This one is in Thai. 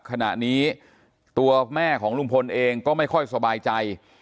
ขณะนี้ตัวแม่ของลุงพลเองก็ไม่ค่อยสบายใจ